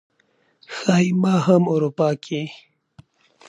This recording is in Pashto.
ښايي ما هم اروپا کې